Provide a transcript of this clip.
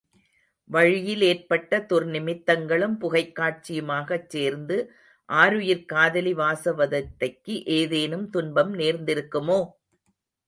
வழியில் ஏற்பட்ட துர்நிமித்தங்களும் புகைக் காட்சியுமாகச் சேர்ந்து ஆருயிர்க் காதலி வாசவதத்தைக்கு ஏதேனும் துன்பம் நேர்ந்திருக்குமோ?